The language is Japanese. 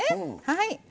はい。